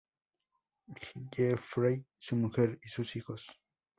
Jeffrey, su mujer y sus hijos.